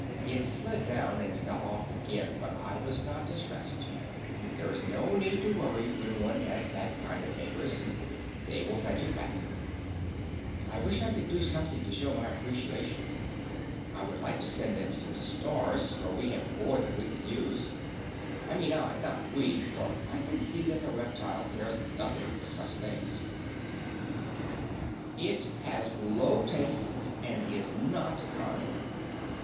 It slid down and fell off again, but I was not distressed; there is no need to worry when one has that kind of neighbors; they will fetch it back. I wish I could do something to show my appreciation. I would like to send them some stars, for we have more than we can use. I mean I, not we, for I can see that the reptile cares nothing for such things. It has low tastes, and is not kind.